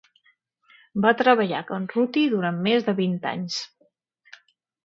Va treballar a Can Ruti durant més de vint anys.